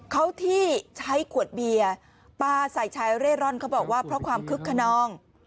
เขาที่ใช้ขวดเบียร์ปลาช๑๔๐เขาบอกว่าเพราะความคึกขนอง